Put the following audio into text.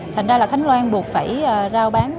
thành ra là khánh loan buộc phải rao bán